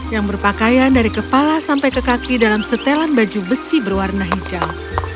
yang berpakaian dari kepala sampai ke kaki dalam setelan baju besi berwarna hijau